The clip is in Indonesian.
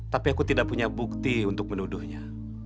tapi aku tidak punya bukti untuk menuduhnya